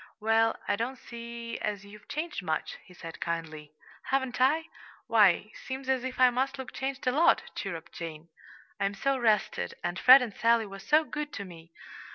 "Well, I don't see as you've changed much," he said kindly. "Haven't I? Why, seems as if I must look changed a lot," chirruped Jane. "I'm so rested, and Fred and Sally were so good to me!